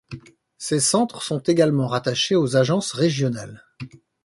Ces centres sont également rattachés aux agences régionales.